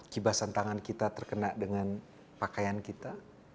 kibasan tangan kita terkena dengan pakaian kita